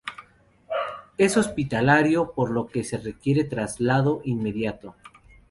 Es hospitalario por lo que se requiere traslado inmediato.